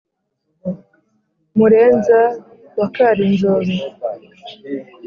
murenza wa karinzobe